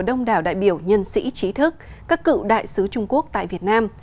đông đảo đại biểu nhân sĩ trí thức các cựu đại sứ trung quốc tại việt nam